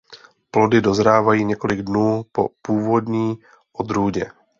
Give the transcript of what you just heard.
Plody dozrávají několik dnů po původní odrůdě.